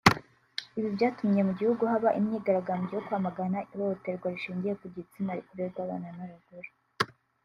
Ibi byatumye mu gihugu haba imyigaragambyo yo kwamagana ihohoterwa rishingiye ku gitsina rikorerwa abana n’abagore